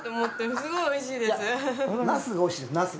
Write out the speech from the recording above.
すごい美味しいです。